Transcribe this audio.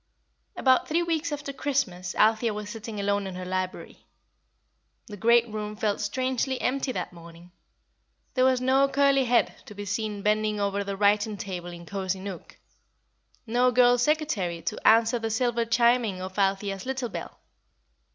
_ About three weeks after Christmas Althea was sitting alone in her library. The great room felt strangely empty that morning. There was no curly head to be seen bending over the writing table in Cosy Nook; no girl secretary to answer the silver chiming of Althea's little bell.